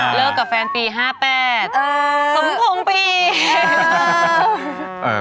แล้วกับแฟนปี๒๘สมพงศ์ปี